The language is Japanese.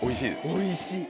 おいしい。